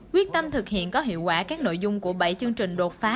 quyết tâm thực hiện có hiệu quả các nội dung của bảy chương trình đột phá